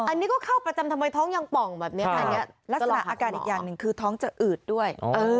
อันนี้ก็เข้าประจำทำไมท้องยังป่องแบบนี้ค่ะลักษณะอาการอีกอย่างหนึ่งคือท้องจะอืดด้วย